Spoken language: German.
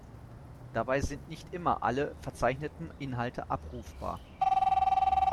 Dabei sind nicht immer alle verzeichneten Inhalte abrufbar.